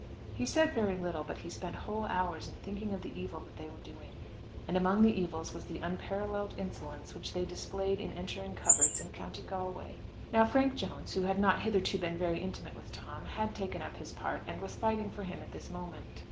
He said very little, but he spent whole hours in thinking of the evil that they were doing. And among the evils was the unparalleled insolence which they displayed in entering coverts in County Galway. Now Frank Jones, who had not hitherto been very intimate with Tom, had taken up his part, and was fighting for him at this moment.